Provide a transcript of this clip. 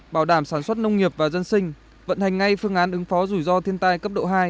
bảo đảm sản xuất nông nghiệp và dân sinh vận hành ngay phương án ứng phó rủi ro thiên tai cấp độ hai